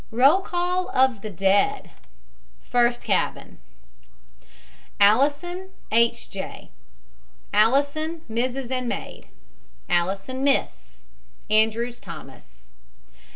ROLL OF THE DEAD FIRST CABIN ALLISON, H. J. ALLISON, MRS., and maid. ALLISON, MISS. ANDREWS, THOMAS.